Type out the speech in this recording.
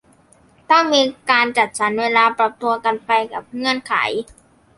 ต้องมีการจัดสรรเวลา ปรับตัวกันไปกับเงื่อนไข